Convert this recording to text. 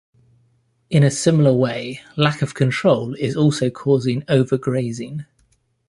In a similar way lack of control is also causing over-grazing.